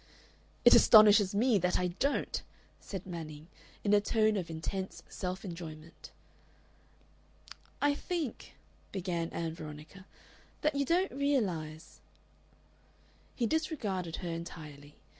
"It astonishes me that I don't," said Manning, in a tone of intense self enjoyment. "I think," began Ann Veronica, "that you don't realize " He disregarded her entirely.